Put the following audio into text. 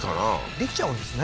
できちゃうんですね